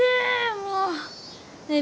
もうねえ